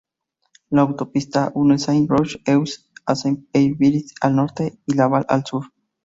La autopista une Saint-Roch-Ouest a Saint-Esprit al norte y Laval al sur.